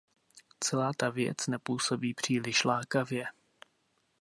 Celá ta věc nepůsobí příliš lákavě.